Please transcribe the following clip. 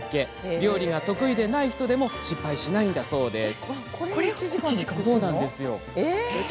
料理が得意でない人でも失敗しないそうです。